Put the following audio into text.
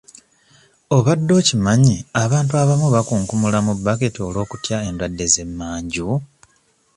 Obadde okimanyi abantu abamu bakunkumula mu baketi olw'okutya endwadde z'emmanju?